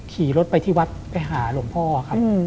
ขี่รถไปที่วัดไปหาหลวงพ่อครับ